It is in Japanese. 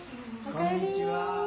こんにちは。